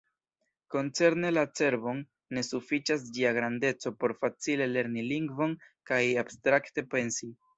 Koncerne la cerbon, ne sufiĉas ĝia grandeco por facile lerni lingvon kaj abstrakte pensi.